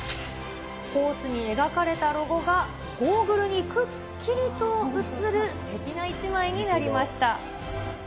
コースに描かれたロゴが、ゴーグルにくっきりと映る、すてきな１枚となりました。